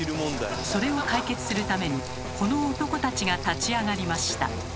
それを解決するためにこの男たちが立ち上がりました。